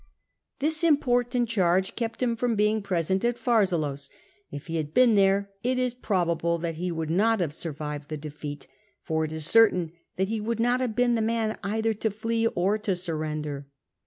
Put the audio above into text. This important charge kept him from being present at Pharsalus ; if he had been there, it is probable that he would not have survived the defeat, for it is certain that he would not have been the man either to fly or to surrender.